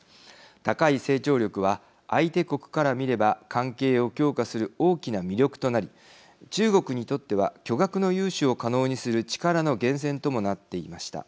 高い成長力は相手国から見れば関係を強化する大きな魅力となり中国にとっては巨額の融資を可能にする力の源泉ともなっていました。